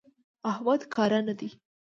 احمد کاره نه دی.